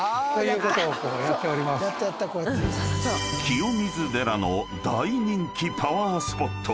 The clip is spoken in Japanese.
［清水寺の大人気パワースポット］